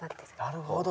なるほど。